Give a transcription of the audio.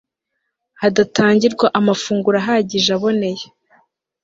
hadatangirwa amafunguro ahagije aboneye